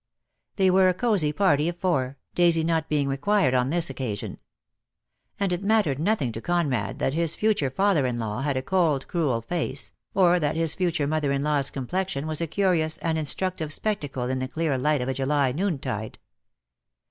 They were a cosy party of four, Daisy not being required on this occasion; and it mattered nothing to Conrad that his future father in law had a cold, cruel face, or that his future mother in law's complexion was a curious and instructive spectacle in the clear light of a July noontide.